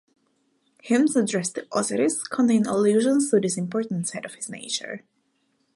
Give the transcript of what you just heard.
Hymns addressed to Osiris contain allusions to this important side of his nature.